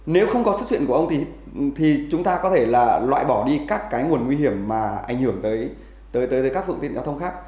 nếu không có xuất chuyện của ông thì chúng ta có thể là loại bỏ đi các cái nguồn nguy hiểm mà ảnh hưởng tới các phương tiện giao thông khác